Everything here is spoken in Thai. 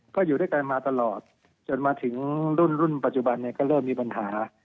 ก็อยู่ด้วยกันมาตลอดจนมาถึงรุ่นรุ่นปัจจุบันเนี่ยก็เริ่มมีปัญหา